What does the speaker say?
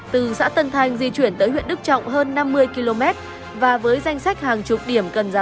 từ xã tân thanh di chuyển tới huyện đức trọng hơn năm mươi km và với danh sách hàng chục điểm cần giá